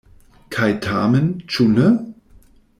Kaj tamen, ĉu ne?